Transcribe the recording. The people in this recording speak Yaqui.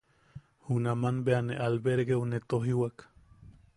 Junaman bea ne albergeu ne tojiwak.